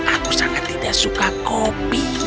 aku sangat tidak suka kopi